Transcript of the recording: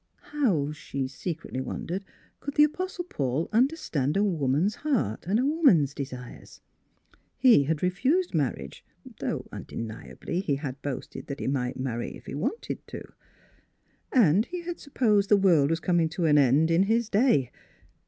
How (she secretly wondered) could the Apostle Paul under stand a woman's heart and a woman's de sires? He had refused marriage (though undeniably he had boasted that he might marry if he wanted to). And he had sup Mdss Philura's Wedding Gown posed the world was coming to an end iri his day.